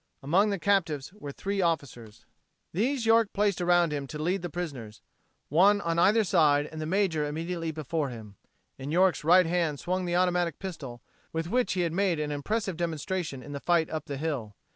Among the captives were three officers. These York placed around him to lead the prisoners one on either side and the major immediately before him. In York's right hand swung the automatic pistol, with which he had made an impressive demonstration in the fight up the hill.